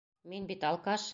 Мин бит алкаш.